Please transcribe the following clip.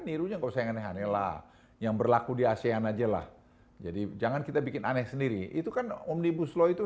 niruiva yang berlaku di asean aja lah jadi jangan kita bikin aneh sendiri itu kan omnibus law itu